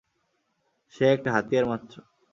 সে একটা হাতিয়ার মাত্র।